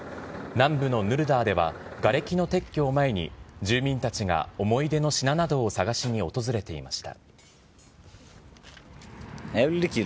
南部のヌルダーではがれきの撤去を前に、住民たちが思い出の品などを探しに訪れていました。